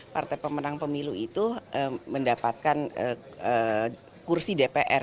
partai pemenang pemilu itu mendapatkan kursi dpr